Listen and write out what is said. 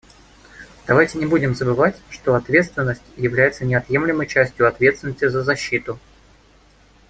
Давайте не будем забывать, что ответственность является неотъемлемой частью ответственности за защиту.